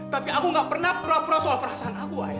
tapi aku gak pernah pura pura soal perasaan aku